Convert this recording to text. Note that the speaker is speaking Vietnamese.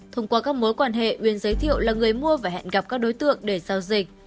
thông qua các mối quan hệ uyên giới thiệu là người mua và hẹn gặp đối tượng để giao dịch